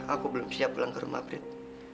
aku belum siap pulang ke rumah brid